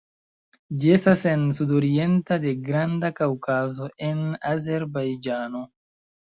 Ĝi estas en sudoriento de Granda Kaŭkazo en Azerbajĝano.